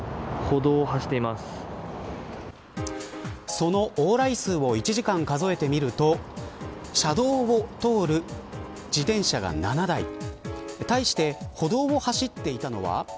その往来数を１時間数えてみると車道を通る自転車が７台対して、歩道を走っていたのは。